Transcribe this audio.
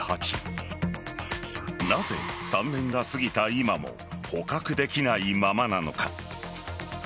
なぜ３年が過ぎた今も捕獲できないままなのか。